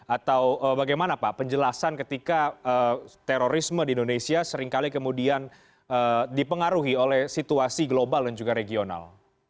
atau bagaimana pak penjelasan ketika terorisme di indonesia seringkali kemudian dipengaruhi oleh situasi global dan juga regional